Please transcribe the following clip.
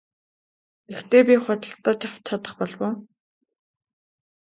Гэхдээ би худалдаж авч чадах болов уу?